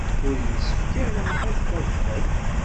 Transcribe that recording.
Ur yessefk ara ad d-tadfed.